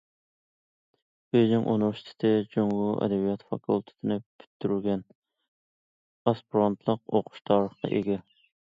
بېيجىڭ ئۇنىۋېرسىتېتى جۇڭگو ئەدەبىياتى فاكۇلتېتىنى پۈتتۈرگەن، ئاسپىرانتلىق ئوقۇش تارىخىغا ئىگە.